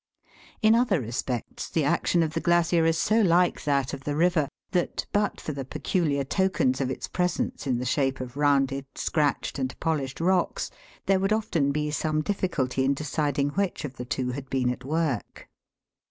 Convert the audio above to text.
In other respects the action of the glacier is so like that of the river that, but for the peculiar tokens of its presence in the shape of rounded, scratched, and polished rocks, there 70 THE WORLD'S LUMBER ROOM. would often be some difficulty in deciding which of the two had been at work.